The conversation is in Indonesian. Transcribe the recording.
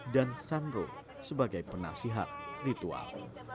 dan sanroh sebagai penasihat ritual